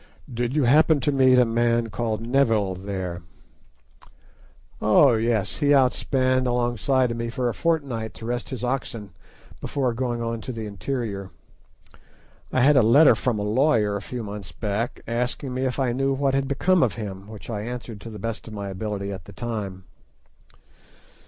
"Did you happen to meet a man called Neville there?" "Oh, yes; he outspanned alongside of me for a fortnight to rest his oxen before going on to the interior. I had a letter from a lawyer a few months back, asking me if I knew what had become of him, which I answered to the best of my ability at the time."